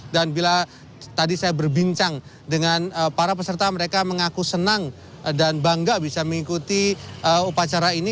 dan bila tadi saya berbincang dengan para peserta mereka mengaku senang dan bangga bisa mengikuti upacara ini